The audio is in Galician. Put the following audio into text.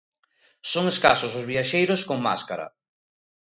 Son escasos os viaxeiros con máscara.